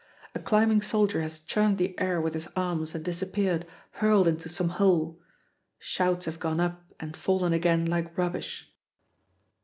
A climbing soldier has churned the air with his arms and disappeared, hurled into some hole. Shouts have gone up and fallen again like rubbish.